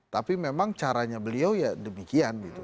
tapi memang caranya beliau ya demikian gitu